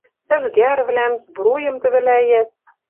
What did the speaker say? Ӹжгӓрвлӓм, сбруйым тӹвӹлӓят